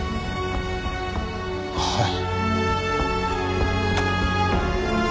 はい。